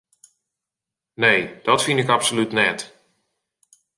Nee, dat fyn ik absolút net.